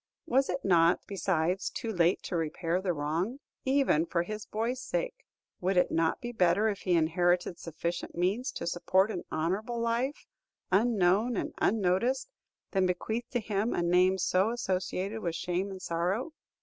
Was it not, besides, too late to repair the wrong? Even for his boy's sake, would it not be better if he inherited sufficient means to support an honorable life, unknown and unnoticed, than bequeath to him a name so associated with shame and sorrow?